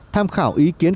tham khảo ý kiến